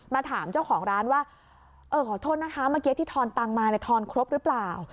มาถามเจ้าของร้านว่าเออขอโทษนะคะเมื่อกี้ที่ทอนตังค์มาเนี่ยทอนครบหรือเปล่า